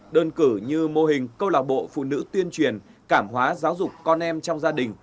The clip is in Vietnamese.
đơn cử như mô hình câu lạc bộ phụ nữ tuyên truyền cảm hóa giáo dục con em trong gia đình